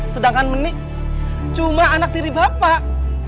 sedangkan menik cuma anak tiri bapak